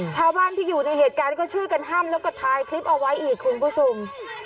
ชาวบ้านที่อยู่ในเหตุการณ์ก็ช่วยกันห้ามแล้วก็ถ่ายคลิปเอาไว้อีกคุณผู้ชม